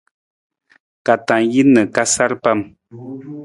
Ka tang jin na ka sar pam.